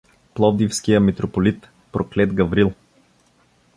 (Пловдивския митрополит, проклет Гаврил).